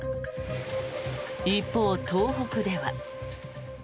一方、東北では。